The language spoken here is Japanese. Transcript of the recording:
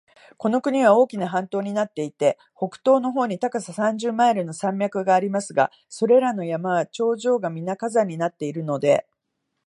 この国は大きな半島になっていて、北東の方に高さ三十マイルの山脈がありますが、それらの山は頂上がみな火山になっているので、